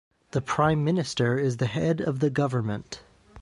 The Prime Minister is the head of the government.